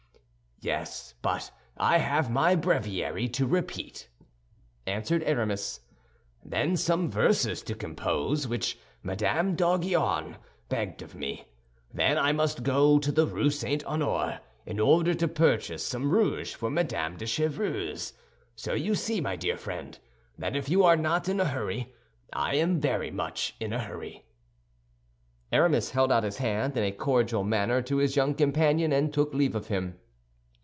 "Yes, but I have my breviary to repeat," answered Aramis; "then some verses to compose, which Madame d'Aiguillon begged of me. Then I must go to the Rue St. Honoré in order to purchase some rouge for Madame de Chevreuse. So you see, my dear friend, that if you are not in a hurry, I am very much in a hurry." Aramis held out his hand in a cordial manner to his young companion, and took leave of him.